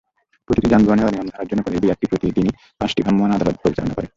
প্রতিটি যানবাহনের অনিয়ম ধরার জন্য বিআরটিএ প্রতিদিনই পাঁচটি ভ্রাম্যমাণ আদালত পরিচালনা করে।